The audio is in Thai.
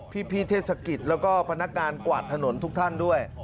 พี่เทศกิจแล้วก็พนักงานกวาดถนนทุกท่านด้วย